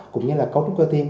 cũng như là cấu trúc cơ tim